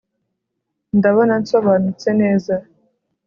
ndabona nsobanutse neza